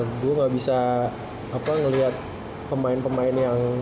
gue gak bisa melihat pemain pemain yang